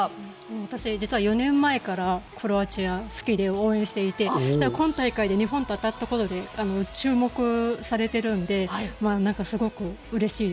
私、実は４年前からクロアチアが好きで応援していて今大会で日本と当たったことで注目されているんですごくうれしい。